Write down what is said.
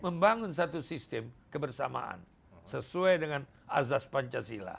membangun satu sistem kebersamaan sesuai dengan azas pancasila